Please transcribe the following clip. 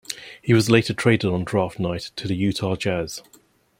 He was later traded on draft night to the Utah Jazz.